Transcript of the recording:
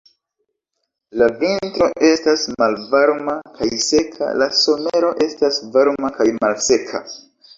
La vintro estas malvarma kaj seka, la somero estas varma kaj malseka.